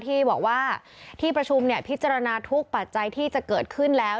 ที่บอกว่าที่ประชุมพิจารณาทุกปัจจัยที่จะเกิดขึ้นแล้ว